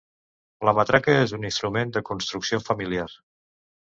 La matraca és un instrument de construcció familiar.